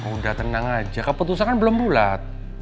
udah tenang aja keputusan belum bulat